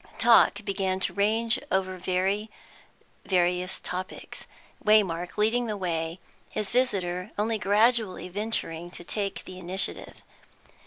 Talk began to range over very various topics, Waymark leading the way, his visitor only gradually venturing to take the initiative.